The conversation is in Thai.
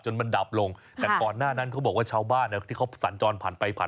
จนมันดับลงแต่ก่อนหน้านั้นเขาบอกว่า